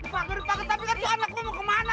pagar pagar tapi kan itu anak gue mau kemana